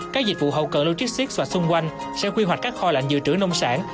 các dịch vụ hậu cần logistics và xung quanh sẽ quy hoạch các kho lạnh dự trữ nông sản